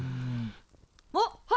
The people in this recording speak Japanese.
あっはい！